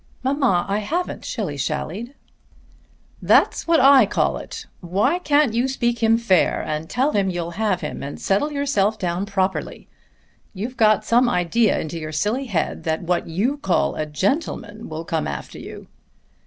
"Mamma, I haven't shilly shallied." "That's what I call it. Why can't you speak him fair and tell him you'll have him and settle yourself down properly? You've got some idea into your silly head that what you call a gentleman will come after you."